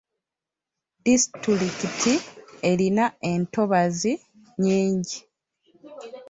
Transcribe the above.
Disitulikiti erina entobazi nnyingi.